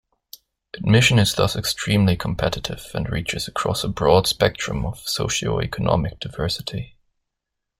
Admission is thus extremely competitive, and reaches across a broad spectrum of socioeconomic diversity.